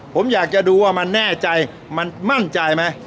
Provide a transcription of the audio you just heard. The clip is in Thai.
ผมอยากจะดูว่ามันแน่ใจมันมั่นใจไหม